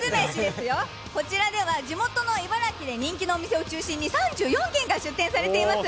こちらは地元で人気のお店、中心に３４軒が出店しています。